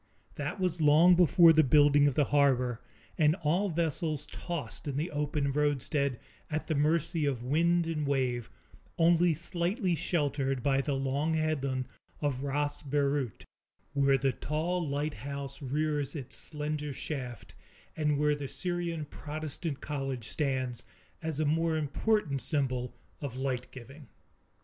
That was long before the building of the harbor, and all vessels tossed in the open roadstead, at the mercy of wind and wave, only slightly sheltered by the long headland of Ras Beirut, where the tall lighthouse rears its slender shaft, and where the Syrian Protestant College stands, as a more important symbol of light giving.